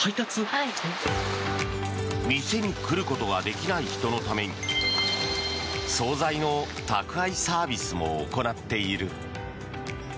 店に来ることができない人のために総菜の宅配サービスも行っている。